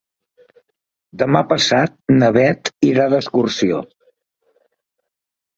Demà passat na Beth irà d'excursió.